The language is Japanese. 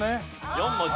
４文字。